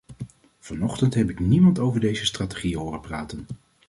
Vanochtend heb ik niemand over deze strategie horen praten.